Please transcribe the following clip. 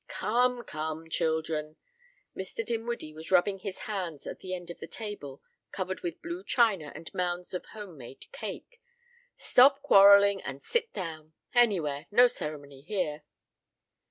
"Come, come, children!" Mr. Dinwiddie was rubbing his hands at the end of the table covered with blue china and mounds of home made cake. "Stop quarrelling and sit down. Anywhere. No ceremony here."